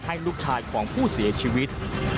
ให้ลูกชายของผู้เสียชีวิต